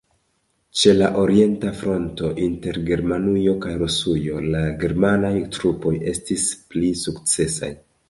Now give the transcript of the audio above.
Ĉe la orienta fronto, inter Germanujo kaj Rusujo, la germanaj trupoj estis pli sukcesaj.